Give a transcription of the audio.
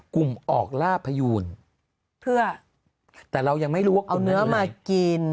ออกล่าพยูนเพื่อแต่เรายังไม่รู้ว่าเอาเนื้อมากิน